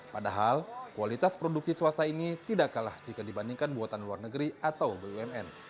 padahal kualitas produksi swasta ini tidak kalah jika dibandingkan buatan luar negeri atau bumn